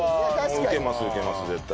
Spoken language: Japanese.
これはウケますウケます絶対。